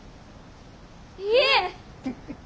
いえ。